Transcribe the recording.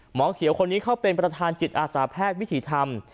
หมอเขียวคนนี้เขาเป็นประธานจิตอาสาแพทย์วิถีธรรม